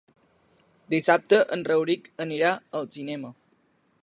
Dissabte en Rauric anirà al cinema.